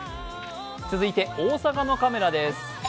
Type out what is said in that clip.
続いて、大阪のカメラです。